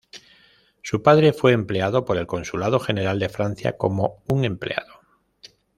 Su padre fue empleado por el Consulado General de Francia como un empleado.